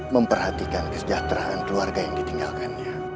memperhatikan kesejahteraan keluarga yang ditinggalkannya